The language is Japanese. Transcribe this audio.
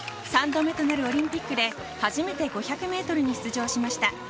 ３度目となるオリンピックで、初めて５００メートルに出場しました。